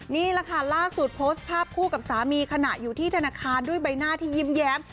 นี่แหละค่ะล่าสุดโพสต์ภาพคู่กับสามีขณะอยู่ที่ธนาคารด้วยใบหน้าที่ยิ้มแย้ม